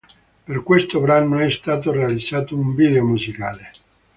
Per questo brano è stato realizzato un video musicale.